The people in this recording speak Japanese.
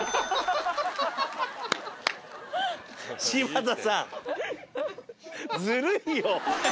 柴田さんずるいよ。